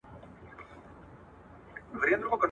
اوس دېوالونه هم غوږونه لري ,